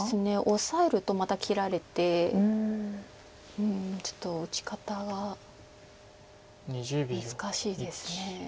オサえるとまた切られてうんちょっと打ち方が難しいです。